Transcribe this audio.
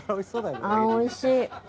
ああおいしい。